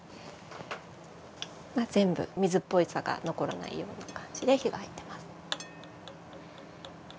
全部水っぽさが残らないような感じで火が入ってます。